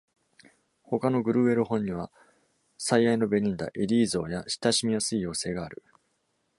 他のグルーエル本には「最愛のベリンダ」、「エディー象」や「親しみやすい妖精」がある。